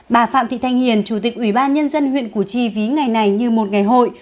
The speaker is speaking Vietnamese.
bà phạm thị thanh hiền chủ tịch ủy ban nhân dân huyện củ chi ví ngày này như một ngày hội